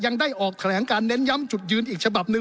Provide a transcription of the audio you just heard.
ยังได้ออกแถลงการเน้นย้ำจุดยืนอีกฉบับหนึ่ง